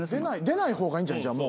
出ない方がいいんじゃん？